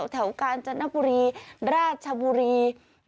กาญจนบุรีราชบุรี